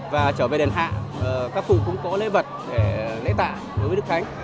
và trở về đền hạ các phủ cũng có lễ vật để lễ tạ với đức khánh